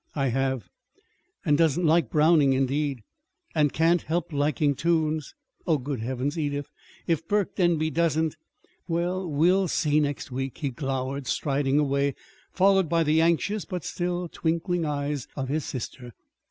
"I have, and doesn't like Browning, indeed! And can't help liking tunes! Oh, good Heavens, Edith, if Burke Denby doesn't Well, we'll see next week," he glowered, striding away, followed by the anxious but still twinkling eyes of his sister.